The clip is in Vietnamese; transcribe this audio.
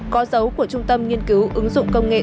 có dấu của trung tâm nghiên cứu ứng dụng công nghệ